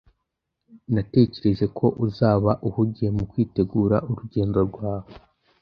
Natekereje ko uzaba uhugiye mu kwitegura urugendo rwawe.